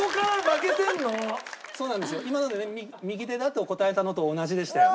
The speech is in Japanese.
今ので「右手だ」って答えたのと同じでしたよね。